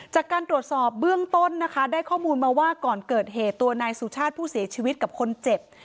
จากการตรวจสอบเบื้องต้นนะคะได้ข้อมูลมาว่าก่อนเกิดเหตุตัวนายสุชาติผู้เสียชีวิตกับคนเจ็บ